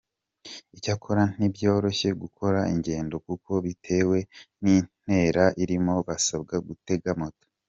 Icyakora ntibyoroshye gukora ingendo kuko bitewe n’intera irimo basabwa gutega moto.